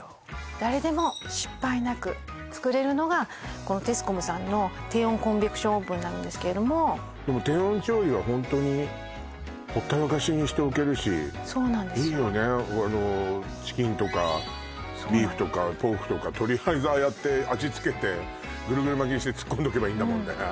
誰でも失敗なく作れるのがこのテスコムさんの低温コンベクションオーブンになるんですけれどもでも低温調理はホントにほったらかしにしておけるしそうなんですよいいよねチキンとかビーフとかポークとかとりあえずああやって味付けてぐるぐる巻きにして突っ込んどけばいいんだもんね